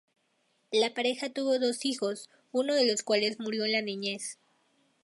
La pareja tuvo dos hijos, uno de los cuales murió en la niñez.